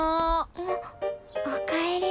あっおかえり。